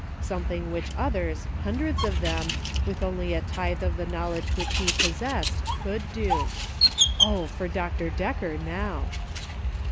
Something which others, hundreds of them, with only a tithe of the knowledge which he possessed, could do. O, for Dr. Decker now